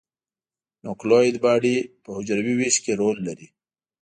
نوکلوئید باډي په حجروي ویش کې رول لري.